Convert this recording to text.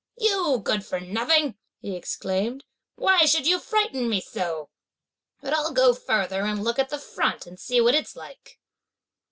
"You good for nothing!" he exclaimed, "why should you frighten me so? but I'll go further and look at the front and see what it's like."